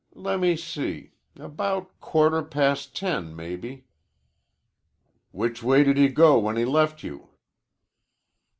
"Lemme see. About quarter past ten, maybe." "Which way did he go when he left you?"